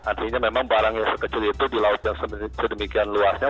artinya memang barang yang sekecil itu di laut yang sedemikian luasnya